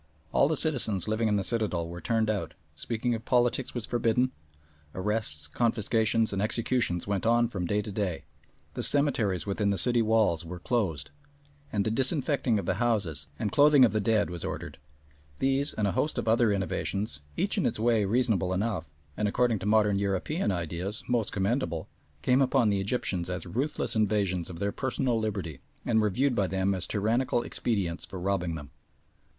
All the citizens living in the citadel were turned out, speaking of politics was forbidden, arrests, confiscations, and executions went on from day to day, the cemeteries within the city walls were closed, and the disinfecting of the houses and clothing of the dead was ordered. These, and a host of other innovations, each in its way reasonable enough, and, according to modern European ideas, most commendable, came upon the Egyptians as ruthless invasions of their personal liberty, and were viewed by them as tyrannical expedients for robbing them.